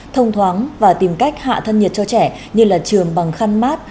thông thoáng và tìm cách hạ thân nhiệt cho trẻ như là trường bằng khăn mát